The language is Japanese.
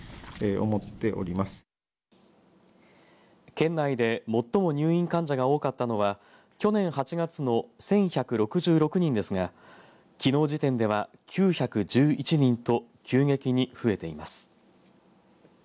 県内で最も入院患者が多かったのは去年８月の１１６６人ですがきのう時点では９１１人と急激に増えています。